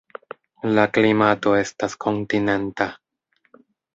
La klimato estas kontinenta.